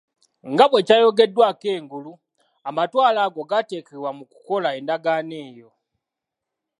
Nga bwe kyayogeddwako engulu, amatwale ago gaateebwa mu kukola Endagaano eyo.